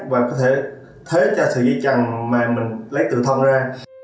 và có thể thế cho sợi dây chẳng mà mình lấy tự thông ra